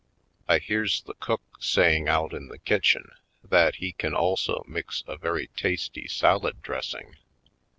I hears the cook saying out in the kitchen that he can also mix a very tasty salad dressing.